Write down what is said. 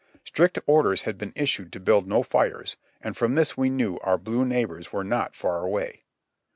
Strict orders had been issued to build no fires, and from this we knew our blue neighbors were not far away.